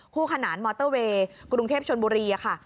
ขนานมอเตอร์เวย์กรุงเทพชนบุรีค่ะ